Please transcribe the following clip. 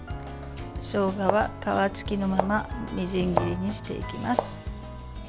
しょうがは皮つきのままみじん切りにしていきます。